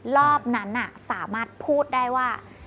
รอบนั้นสามารถพูดได้ว่า